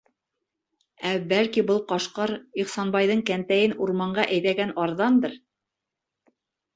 Ә, бәлки, был Ҡашҡар Ихсанбайҙың кәнтәйен урманға әйҙәгән арҙандыр?